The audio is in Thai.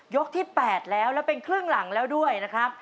ที่๘แล้วแล้วเป็นครึ่งหลังแล้วด้วยนะครับ